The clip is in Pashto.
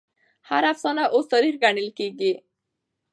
هر افسانه اوس تاريخ ګڼل کېږي.